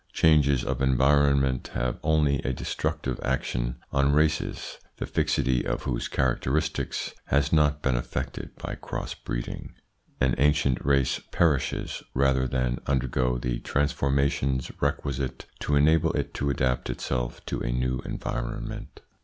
Changes of environment have only a destructive action on races the fixity of whose characteristics has not been affected by cross breeding. An ancient race perishes rather than undergo the transformations requisite to enable it to adapt itself to a new environment.